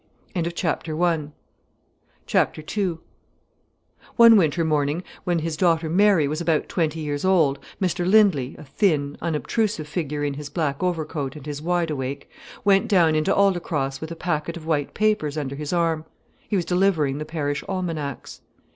II One winter morning, when his daughter Mary was about twenty years old, Mr Lindley, a thin, unobtrusive figure in his black overcoat and his wideawake, went down into Aldecross with a packet of white papers under his arm. He was delivering the parish almanacs.